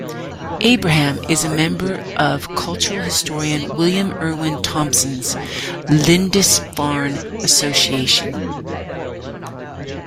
Abraham is a member of cultural historian William Irwin Thompson's Lindisfarne Association.